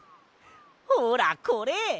ほらこれ！